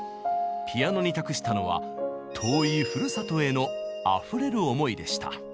ピアノに託したのは遠いふるさとへのあふれる思いでした。